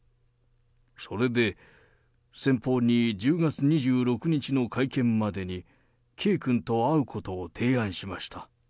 それで、先方に、１０月２６日の会見までに、圭君と会うことを提案しました。